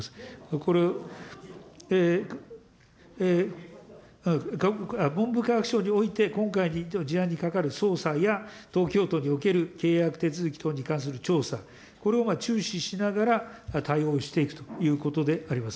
これ、文部科学省において、今回の認定、事案に係る捜査や東京都における契約手続き等に関する調査、これを注視しながら、対応していくということであります。